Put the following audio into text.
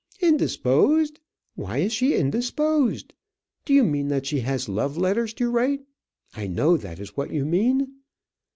"Indisposed! Why is she indisposed? you mean that she has love letters to write. I know that is what you mean."